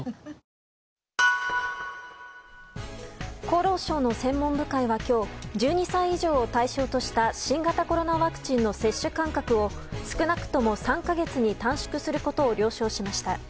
厚労省の専門部会は今日１２歳以上を対象とした新型コロナワクチンの接種間隔を少なくとも３か月に短縮することを了承しました。